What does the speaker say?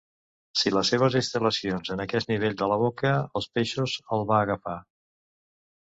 Si les seves instal·lacions en aquest nivell de la boca, els peixos el va agafar.